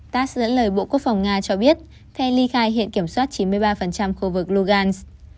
tass dẫn lời bộ quốc phòng nga cho biết kel ly khai hiện kiểm soát chín mươi ba khu vực logan